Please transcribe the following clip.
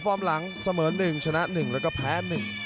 ฟอร์มหลังเสมอ๑ชนะ๑แล้วก็แพ้๑